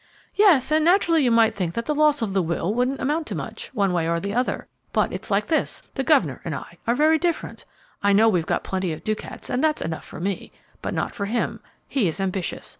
"Yes; and naturally you might think that the loss of the will wouldn't amount to much, one way or the other; but it's like this: the governor and I are very different; I know we've got plenty of ducats, and that's enough for me, but not for him; he is ambitious.